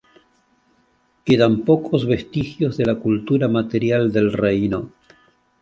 Quedan pocos vestigios de la cultura material del reino.